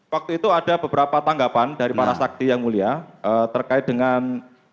waktu itu ada beberapa tanggapan dari para saksi yang mulia terkait dengan